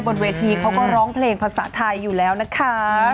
บนเวทีเขาก็ร้องเพลงภาษาไทยอยู่แล้วนะคะ